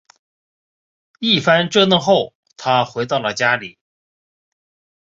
一番折腾后她回到家里